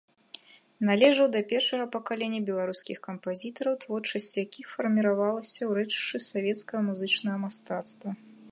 Належаў да першага пакалення беларускіх кампазітараў, творчасць якіх фарміравалася ў рэчышчы савецкага музычнага мастацтва.